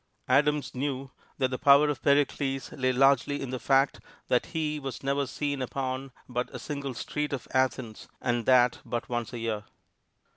Adams knew that the power of Pericles lay largely in the fact that he was never seen upon but a single street of Athens, and that but once a year.